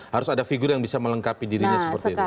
harus ada figur yang bisa melengkapi dirinya seperti itu